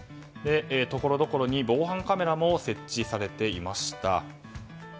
ところどころに防犯カメラも設置されていました。